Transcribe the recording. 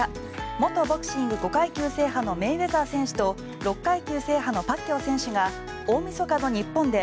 元ボクシング５階級制覇のメイウェザー選手と６階級制覇のパッキャオ選手が大みそかの日本で